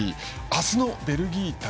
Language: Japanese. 明日のベルギー対